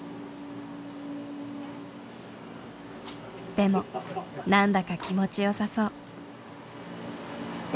でも何だか気持ちよさそう。